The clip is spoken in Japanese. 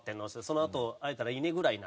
そのあと会えたらいいねぐらいな。